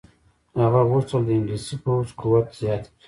هغه غوښتل د انګلیسي پوځ قوت زیات کړي.